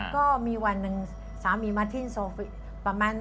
ก็มีวันนึงสามีมาที่โซเฟียลาประมาณ